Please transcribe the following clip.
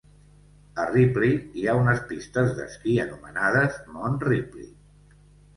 A Ripley hi ha unes pistes d'esquí anomenades Mont Ripley.